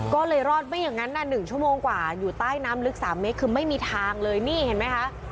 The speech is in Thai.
ก็เลยรอดไม่อย่างนั้น๑ชั่วโมงกว่าอยู่ใต้น้ำลึก๓เมตรคือไม่มีทางเลยนี่เห็นไหมคะ